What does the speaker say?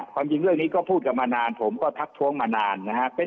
ความจริงเรื่องนี้ก็พูดกันมานานผมก็ทักท้วงมานานนะครับ